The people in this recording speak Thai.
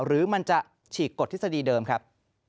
หรือมันจะฉีกกฎทฤษฎีเดิมครับ